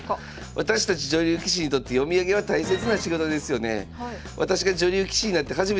「私たち女流棋士にとって読み上げは大切な仕事ですよね」。